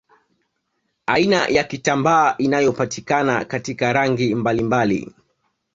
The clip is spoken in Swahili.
Aina ya kitambaa inayopatikana katika rangi mbalimbali